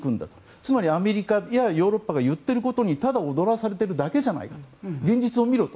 つまりアメリカやヨーロッパが言っていることにただ踊らされているだけで現実を見ろと。